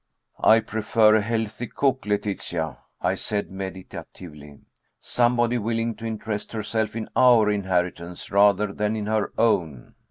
"I prefer a healthy cook, Letitia," I said meditatively, "somebody willing to interest herself in our inheritance, rather than in her own."